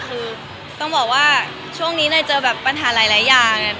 คือต้องบอกว่าช่วงนี้เนยเจอแบบปัญหาหลายอย่าง